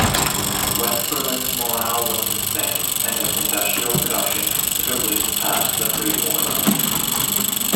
West Berlin's morale was sustained, and its industrial production considerably surpassed the pre-war level.